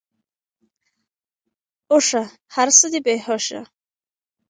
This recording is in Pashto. اوښه ! هرڅه دی بی هوښه .